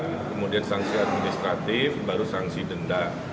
kemudian sanksi administratif baru sanksi denda